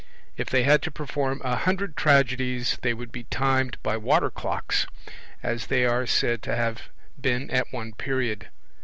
If they had to perform a hundred tragedies, they would be timed by water clocks, as they are said to have been at one period.